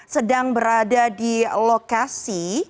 sedang berada di lokasi